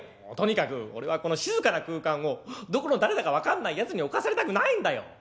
「もうとにかく俺はこの静かな空間をどこの誰だか分かんないやつに侵されたくないんだよ！」。